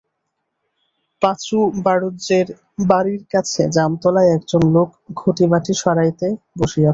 পাঁচু বাঁড়ুজ্যের বাড়ির কাছে জামতলায় একজন লোক ঘটিবাটি সারাইতে বসিয়াছে।